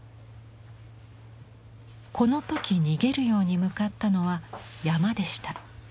この時逃げるように向かったのは山でした。